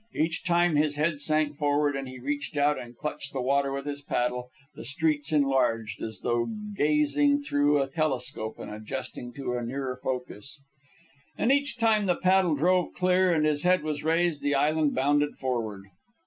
Each time his head sank forward and he reached out and clutched the water with his paddle, the streets enlarged, as though gazing through a telescope and adjusting to a nearer focus. And each time the paddle drove clear and his head was raised, the island bounded forward.